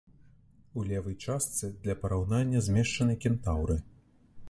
У левай частцы для параўнання змешчаны кентаўры.